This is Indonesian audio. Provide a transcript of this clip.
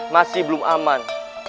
masih belum aman